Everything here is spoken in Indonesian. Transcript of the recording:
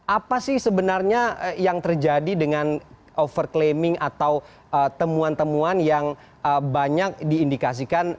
apa sih sebenarnya yang terjadi dengan overklaiming atau temuan temuan yang banyak diindikasikan